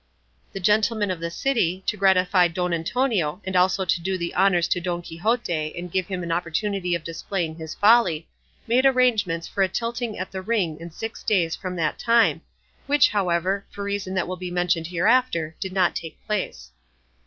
The gentlemen of the city, to gratify Don Antonio and also to do the honours to Don Quixote, and give him an opportunity of displaying his folly, made arrangements for a tilting at the ring in six days from that time, which, however, for reason that will be mentioned hereafter, did not take place.